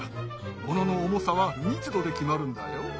ものの重さは密度で決まるんだよ。